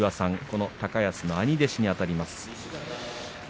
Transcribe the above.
この高安の兄弟子にあたります。